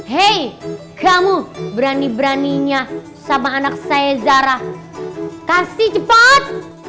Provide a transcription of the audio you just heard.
hei kamu berani beraninya sama anak saya zarah kasih cepat